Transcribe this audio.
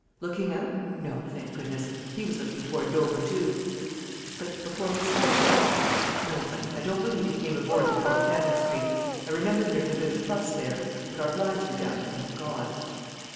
"Looking out? No, thank goodness, he was looking toward Dover too." "But before we started?" "No, Bunny, I don't believe he came aboard before Cannon Street. I remember hearing a bit of a fuss there. But our blinds were down, thank God!"